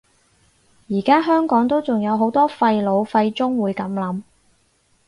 而家香港都仲有好多廢老廢中會噉諗